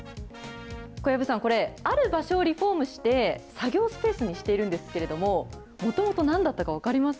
小籔さん、これ、ある場所をリフォームして、作業スペースにしているんですけれども、もともとなんだったか分かります？